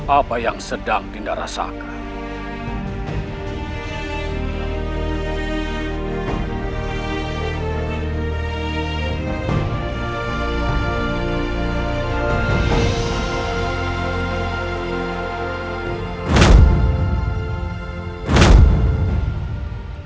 apa yang sedang dinarasakan